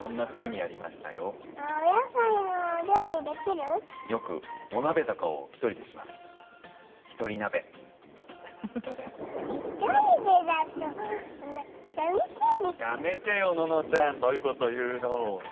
やめてよ、ののちゃん、そういうこと言うの。